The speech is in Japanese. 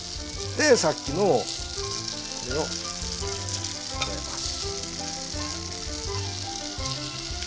でさっきのこれを加えます。